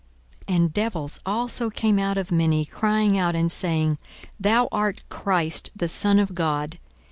42:004:041 And devils also came out of many, crying out, and saying, Thou art Christ the Son of God.